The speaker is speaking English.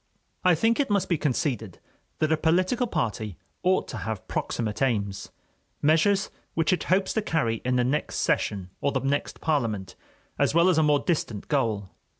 I think it must be conceded that a political party ought to have proximate aims, measures which it hopes to carry in the next session or the next parliament, as well as a more distant goal.